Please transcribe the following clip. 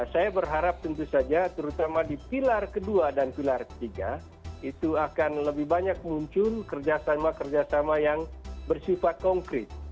saya berharap tentu saja terutama di pilar kedua dan pilar ketiga itu akan lebih banyak muncul kerjasama kerjasama yang bersifat konkret